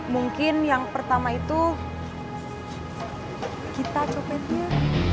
mungkin yang pertama itu kita copetnya